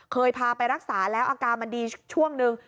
เคยพาไปรักษาแล้วอาการมันดีช่วงนึง